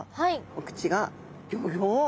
お口がギョギョ！